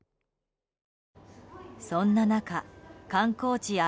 そんな中観光地・芦